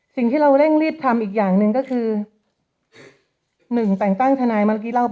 สิ่งที่เราเร่งลีบทำอีกอย่างหนึ่งก็คือหนึ่งแต่ล์งตั้งทนาย